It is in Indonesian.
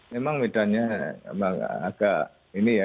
memang medannya agak ini ya